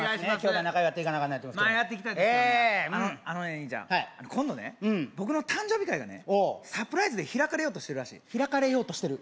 はい僕の誕生日会がねサプライズで開かれようとしてるらしい開かれようとしてる？